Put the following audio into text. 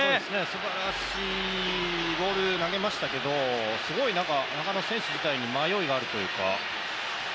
すばらしいボール、投げましたけどすごい中野選手自体に迷いがあるというか。